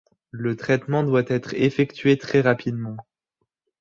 Le traitement doit être effectué très rapidement.